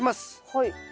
はい。